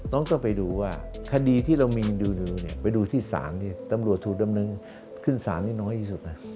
น้องต้องไปดูว่าคดีที่เรามีไปดูที่สารที่ตำรวจถูกดำเนินขึ้นสารนิดน้อยที่สุด